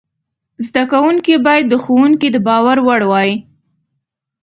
زده کوونکي باید د ښوونکي د باور وړ وای.